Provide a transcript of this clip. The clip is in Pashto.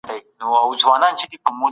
فرضیات د څېړنې پیلونه دي.